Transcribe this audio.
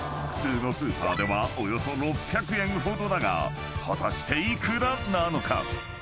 ［普通のスーパーではおよそ６００円ほどだが果たして幾らなのか？］